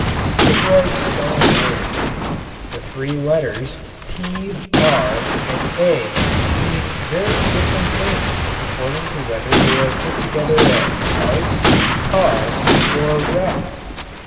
It is like spelling words. The three letters t, r and a mean very different things according to whether they are put together as art, tar or rat.